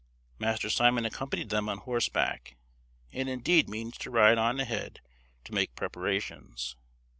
Master Simon accompanied them on horseback, and indeed means to ride on ahead to make preparations.